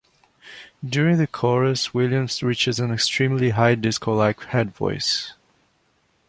During the chorus Williams reaches an extremely high disco-like head voice.